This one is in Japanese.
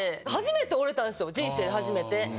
初めて折れたんですよ、人生初めて。